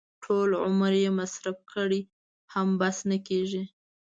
ټول عمر یې مصرف کړي هم بس نه کېږي.